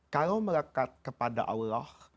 kalau melekat kepada allah